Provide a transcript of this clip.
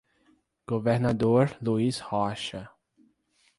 Governador Luiz Rocha